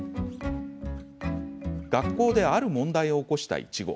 学校で、ある問題を起こした苺。